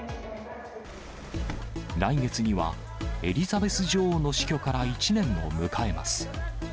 来月にはエリザベス女王の死去から１年を迎えます。